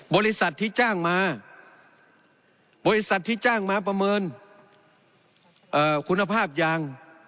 บริษัทที่จ้างมาบริษัทที่จ้างมาประเมินคุณภาพยาง